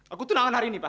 aku tunangan hari ini pak